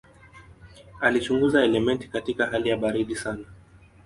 Alichunguza elementi katika hali ya baridi sana.